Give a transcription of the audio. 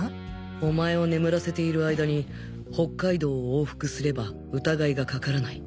お前を眠らせている間に北海道を往復すれば疑いがかからない。